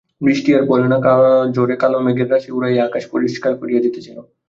বৃষ্টি আর পড়ে না, ঝড়ে কালো মেঘের রাশি উড়াইয়া আকাশ পরিষ্কার করিয়া দিতেছিল।